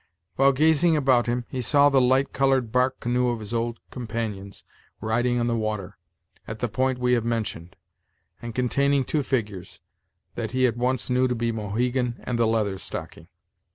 While gazing about him, he saw the light colored bark canoe of his old companions riding on the water, at the point we have mentioned, and containing two figures, that he at once knew to be Mohegan and the Leather Stocking.